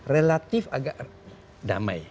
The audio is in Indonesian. relatif agak damai